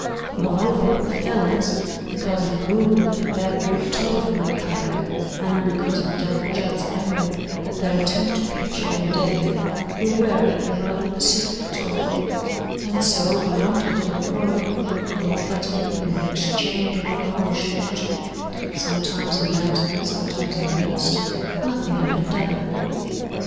Moreover, the Falins, because of a rumour that Bad Rufe Tolliver might come back, and because of Devil Judd's anger at their attempt to capture young Dave, grew wary and rather pacificatory: and so, beyond a little quarrelling, a little threatening and the exchange of a harmless shot or two, sometimes in banter, sometimes in earnest, nothing had been done.